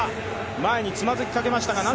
前につまずきかけました。